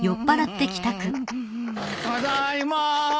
ただいま。